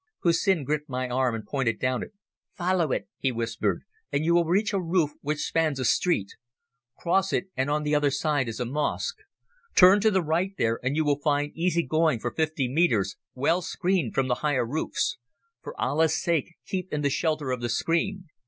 Hussin gripped my arm and pointed down it. "Follow it," he whispered, "and you will reach a roof which spans a street. Cross it, and on the other side is a mosque. Turn to the right there and you will find easy going for fifty metres, well screened from the higher roofs. For Allah's sake keep in the shelter of the screen.